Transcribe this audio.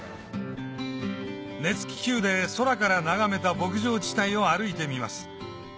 熱気球で空から眺めた牧場地帯を歩いてみます